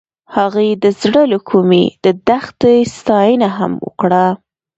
هغې د زړه له کومې د دښته ستاینه هم وکړه.